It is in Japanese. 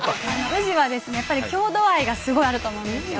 宇治はやっぱり郷土愛がすごいあると思うんですよ。